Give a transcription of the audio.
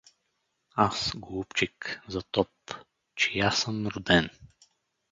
Аз, голубчик, за топ — чия съм роден.